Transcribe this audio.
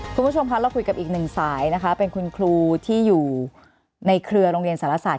คุณผู้ชมคะเราคุยกับอีกหนึ่งสายนะคะเป็นคุณครูที่อยู่ในเครือโรงเรียนสารศาส